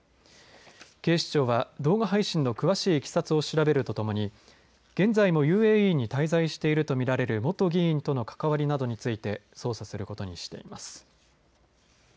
警視庁は動画配信の詳しいいきさつを調べるとともに現在もＵＡＥに滞在していると見られる元議員との関わりなどについて捜査することにしています。